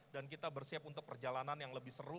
dan kita bersiap untuk perjalanan yang lebih seru